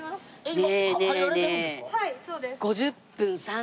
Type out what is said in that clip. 今。